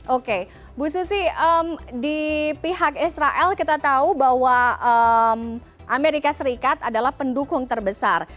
oke bu susi di pihak israel kita tahu bahwa amerika serikat adalah pendukung terbesar